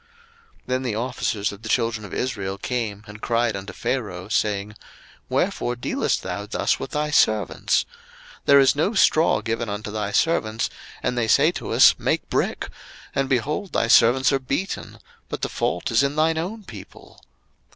02:005:015 Then the officers of the children of Israel came and cried unto Pharaoh, saying, Wherefore dealest thou thus with thy servants? 02:005:016 There is no straw given unto thy servants, and they say to us, Make brick: and, behold, thy servants are beaten; but the fault is in thine own people.